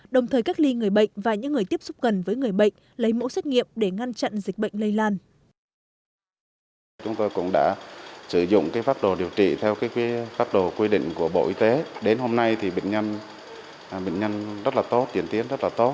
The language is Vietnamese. đồng thời cách ly người bệnh và những người tiếp xúc gần với người bệnh lấy mẫu xét nghiệm để ngăn chặn dịch bệnh lây lan